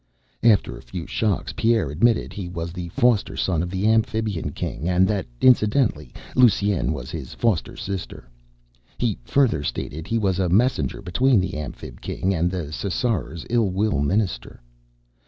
After a few shocks Pierre admitted he was the foster son of the Amphibian King and that, incidentally, Lusine was his foster sister. He further stated he was a messenger between the Amphib King and the Ssarraror's Ill Will Minister.